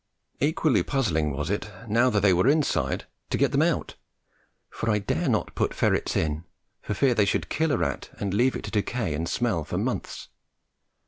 Equally puzzling was it, now that they were inside, to get them out, for I dare not put ferrets in, for fear they should kill a rat and leave it to decay and smell for months.